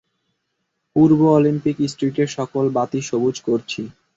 পূর্ব Olympic স্ট্রীটের সকল বাতি সবুজ করছি।